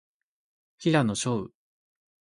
平野紫耀